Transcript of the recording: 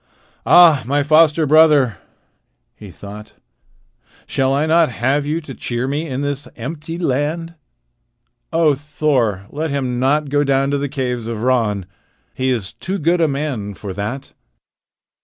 "Ah, my foster brother," he thought, "shall I not have you to cheer me in this empty land? O Thor, let him not go down to the caves of Ran! He is too good a man for that."